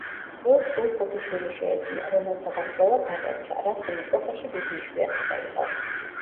წყვილს სულ ხუთი შვილი შეეძინა, რომელთაგან ყველა გადარჩა, რაც იმ ეპოქაში დიდი იშვიათობა იყო.